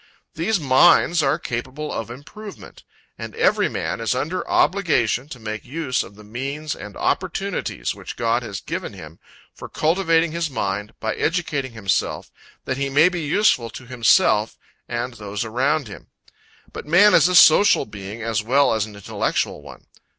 These minds are capable of improvement; and every man is under obligation to make use of the means and opportunities which God has given him for cultivating his mind, by educating himself, that he may be useful to himself and those around him. But man is a social being as well as an intellectual one.